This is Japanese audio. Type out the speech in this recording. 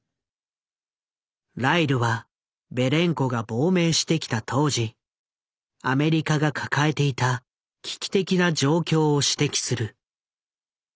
ライルはベレンコが亡命してきた当時アメリカが抱えていた危機的な状況を指摘する。